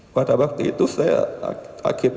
pada waktu itu saya akhirnya ditaktifkan